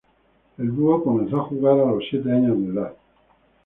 El dúo comenzó a jugar a los siete años de edad.